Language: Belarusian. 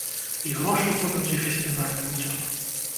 І грошы будуць, і фестываль будзе.